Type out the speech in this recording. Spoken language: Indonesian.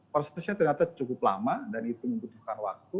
prosesnya ternyata cukup lama dan itu membutuhkan waktu